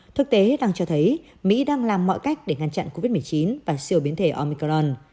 thực tế đang cho thấy mỹ đang làm mọi cách để ngăn chặn covid một mươi chín và siêu biến thể omicron